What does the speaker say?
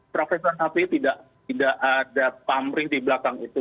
prof syafiee tidak ada pamrih di belakang itu